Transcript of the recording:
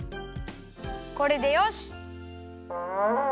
これでよし！